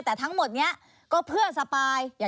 แต่ทั้งหมดนี้ก็เพื่อสปาย